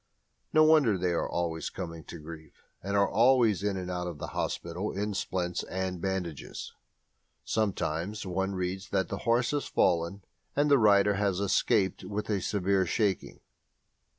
No wonder they are always coming to grief, and are always in and out of hospital in splints and bandages. Sometimes one reads that a horse has fallen and the rider has "escaped with a severe shaking."